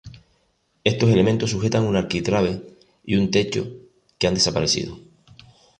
Estos elementos sujetan un arquitrabe y un techo que han desaparecido.